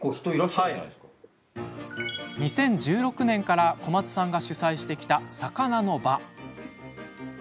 ２０１６年から小松さんが主催してきた、さかなのば。